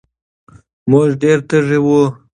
مونږ ډېر تږي وو